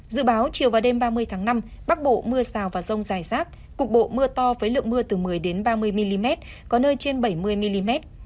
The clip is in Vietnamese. dự báo chiều và đêm ba mươi tháng năm bắc bộ mưa rào và rông dài rác cục bộ mưa to với lượng mưa từ một mươi ba mươi mm có nơi trên bảy mươi mm